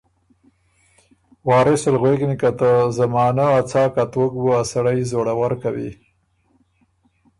وارثه ال غوېکِن که ته زمانه ا څاک توک بُو ا سړئ زوړه ور کوی